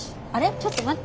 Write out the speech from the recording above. ちょっと待って。